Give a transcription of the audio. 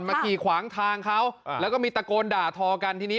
ขี่ขวางทางเขาแล้วก็มีตะโกนด่าทอกันทีนี้